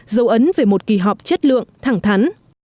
dấu ấn về một kỳ họp chất lượng thẳng thắn